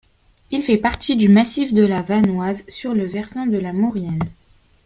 Il fait partie du massif de la Vanoise, sur le versant de la Maurienne.